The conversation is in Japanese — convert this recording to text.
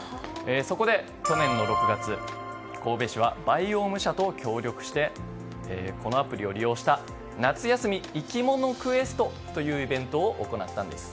そこで去年６月、神戸市はバイオーム社と協力してこのアプリを利用した夏休み生きものクエストというイベントを行ったんです。